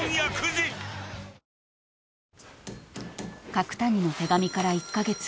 ［角谷の手紙から１カ月。